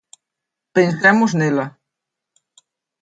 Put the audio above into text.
Pensemos nela.